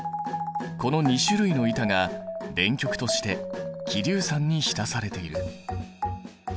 この２種類の板が電極として希硫酸に浸されている。